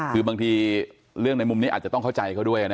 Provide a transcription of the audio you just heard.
คือบางทีเรื่องในมุมนี้อาจจะต้องเข้าใจเขาด้วยนะ